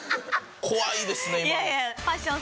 怖いですね今の。